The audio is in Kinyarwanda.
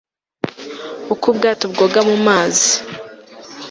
uko ubwato bwoga mu mazi